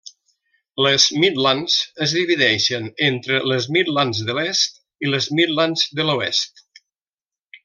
Les Midlands es divideixen entre les Midlands de l'Est i les Midlands de l'Oest.